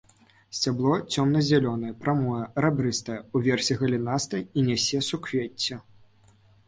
Сцябло цёмна-зялёнае, прамое, рабрыстае, уверсе галінастае і нясе суквецце.